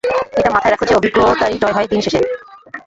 এটা মাথায় রাখ যে অভিজ্ঞতারই জয় হয় দিনশেষে!